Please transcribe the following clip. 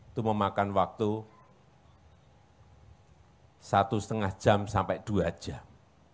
itu memakan waktu satu lima jam sampai dua jam